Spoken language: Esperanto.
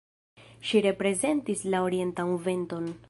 Ŝi reprezentis la orientan venton.